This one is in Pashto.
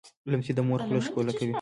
لمسی د مور خوله ښکوله کوي.